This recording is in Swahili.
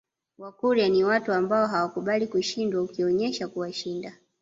Wakurya ni watu ambao hawakubali kushindwa ukionesha kuwashinda